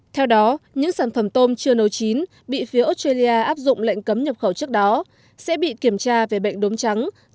theo đó những sản phẩm tôm chưa nấu chín bị phía australia áp dụng lệnh cấm nhập khẩu trước đó sẽ bị kiểm tra về bệnh đống trắng tại phòng kiểm nghiệm